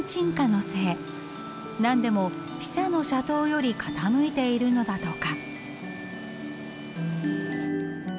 何でもピサの斜塔より傾いているのだとか。